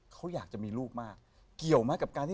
เขาอยากจะมีลูกมากเกี่ยวไหมกับการที่